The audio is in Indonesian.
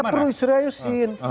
tidak perlu diseriusin